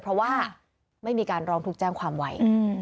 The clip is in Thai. เพราะว่าไม่มีการร้องทุกข์แจ้งความไว้